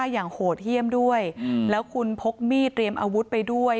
อย่างโหดเยี่ยมด้วยแล้วคุณพกมีดเตรียมอาวุธไปด้วย